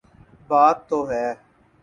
بات تو ہے۔